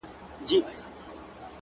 o هغه مي سرې سترگي زغملای نسي؛